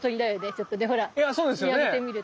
ちょっとねほら言われてみると。